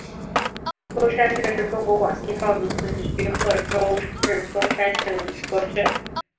钟山镇是中国广西壮族自治区贺州市钟山县的一个镇。